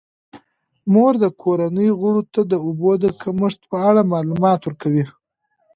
مور د کورنۍ غړو ته د اوبو د کمښت په اړه معلومات ورکوي.